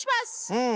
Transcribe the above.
うん。